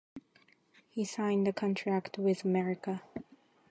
He signed the Contract with America.